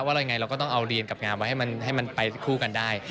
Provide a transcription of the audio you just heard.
ว่ายังไงเราก็ต้องเอาเรียนกับงามไว้ให้มันไปคู่กันได้